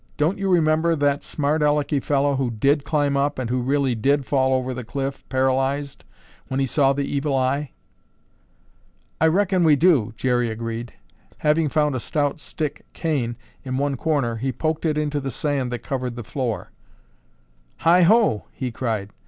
"Don't you remember that Smart Aleky fellow who did climb up and who really did fall over the cliff, paralyzed, when he saw the Evil Eye?" "I reckon we do," Jerry agreed. Having found a stout stick cane in one corner, he poked it into the sand that covered the floor. "Hi ho!" he cried.